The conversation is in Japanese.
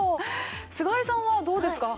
菅井さんはどうですか？